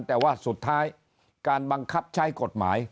แต่ว่าสุดท้ายการบังคับใช้กฎหมาย